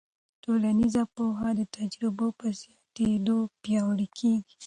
ټولنیز پوهه د تجربو په زیاتېدو پیاوړې کېږي.